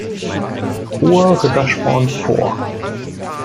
Hoher Rittersporn vor.